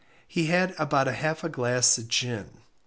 He had about half a glass of gin.